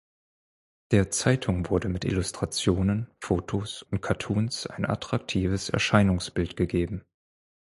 Der Zeitung wurde mit Illustrationen, Fotos und Cartoons ein attraktives Erscheinungsbild gegeben.